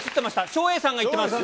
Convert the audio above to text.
照英さんが行ってます。